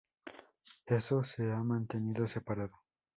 Eso se ha mantenido separado.